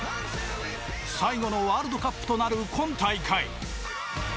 最後のワールドカップとなる今大会。